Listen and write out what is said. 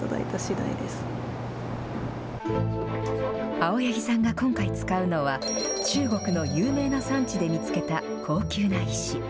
青柳さんが今回使うのは中国の有名な産地で見つけた高級な石。